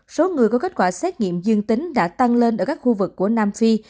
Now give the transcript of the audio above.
số người có kết quả xét nghiệm dương tính đã tăng lên ở các khu vực của nam phi